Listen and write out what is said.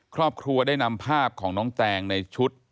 ครอบครัวได้นำภาพของน้องแตงในชุด